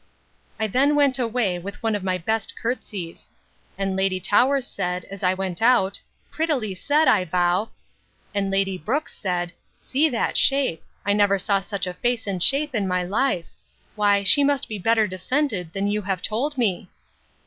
I then went away, with one of my best courtesies; and Lady Towers said, as I went out, Prettily said, I vow!—And Lady Brooks said, See that shape! I never saw such a face and shape in my life; why, she must be better descended than you have told me!